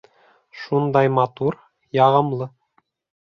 Шундай матур, яғымлы.